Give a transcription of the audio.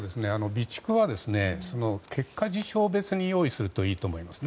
備蓄は事象別に用意するといいと思います。